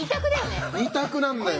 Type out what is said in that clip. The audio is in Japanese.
２択なんだよね。